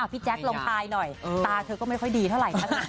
พี่แจ๊คลองทายหน่อยตาเธอก็ไม่ค่อยดีเท่าไหร่นัก